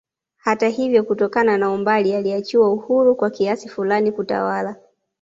Hata ivyo kutokana na umbali aliachiwa huru kwa kiasi fulani kutawala